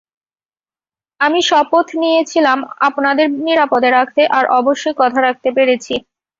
আমি শপথ নিয়েছিলাম আপনাদের নিরাপদে রাখতে, আর অবশ্যই কথা রাখতে পেরেছি।